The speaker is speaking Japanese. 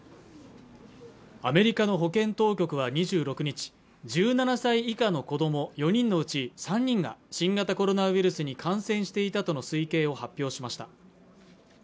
アメリカの保健当局は２６日１７歳以下の子ども４人のうち３人が新型コロナウイルスに感染していたとの推計を発表しました